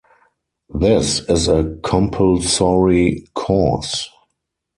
This is a compulsory course.